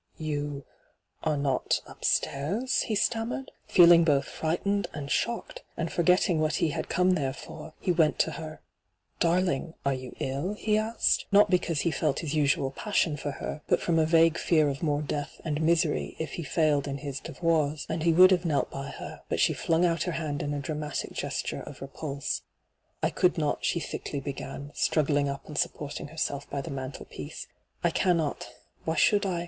' You — are not — upstairs V he stammered, feeling both frightened and shocked ; and, forgetting what he had come there for, he went to her. ' Darling, are you ill ?' he asked. .^hyGooglc 3© ENTRAPPED not because he felt his usual pasBion for her, but from a yag; ue fear of more death and misery if he failed in his dsToirs ; and he would have knelt by her, but she Bung out her hand in a dramatic gesture of repulse. ' I could not,' she thiokly b^an, struggling up and supporting herself by the mantelpiece. * I cannot — why should I